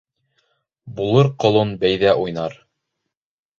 Булыр ҡолон бәйҙә уйнар.